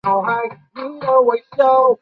布丁牛奶欧蕾饮料